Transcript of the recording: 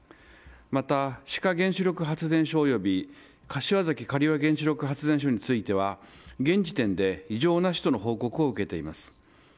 また、志賀原子力発電所および柏崎刈羽原子力発電所については現時点で異常なしとの報告を受けています。